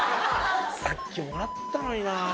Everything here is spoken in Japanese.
「さっきもらったのにな」